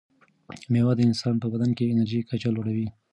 مېوې د انسان په بدن کې د انرژۍ کچه لوړوي.